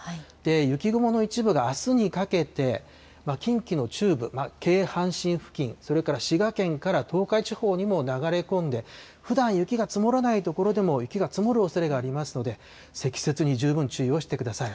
雪雲の一部があすにかけて、近畿の中部、京阪神付近、それから滋賀県から東海地方にも流れ込んで、ふだん雪が積もらない所でも、雪が積もるおそれがありますので、積雪に十分注意をしてください。